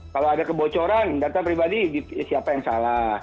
kalau ada kebocoran data pribadi siapa yang salah